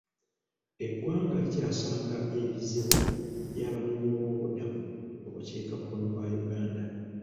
Eggwanga likyasanga ebizibu by'abanoonyiboobubudamu mu bukiikakkono bwa Uganda.